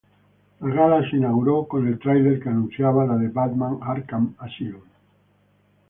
La gala se inauguró con el trailer que anunciaba la de "Batman Arkham Asylum".